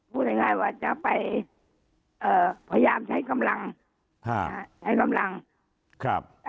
พูดง่ายว่าจะไปเอ่อพยายามใช้กำลังใช้กำลังครับ